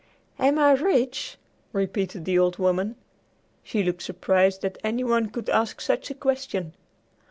"Am I rich?" repeated the old woman. She looked surprised that any one could ask such a question.